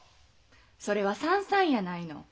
それは「三三」やないの。